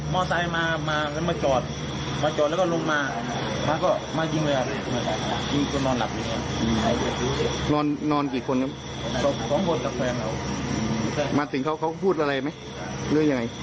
มาถึงเขาเขาพูดอะไรไหมเรื่องยังไง